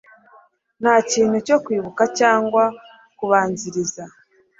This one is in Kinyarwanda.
Nta kintu cyo kwibuka cyangwa kubanziriza